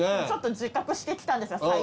ちょっと自覚してきたんですよ。